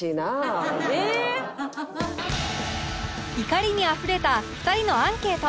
怒りにあふれた２人のアンケート